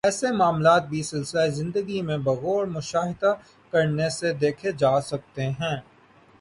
ایسے معاملات بھی سلسلہ زندگی میں بغور مشاہدہ کرنے سے دیکھے جا سکتے ہیں